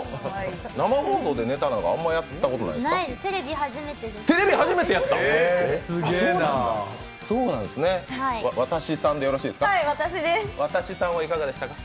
生放送でネタなんか、あんまやったことないですか？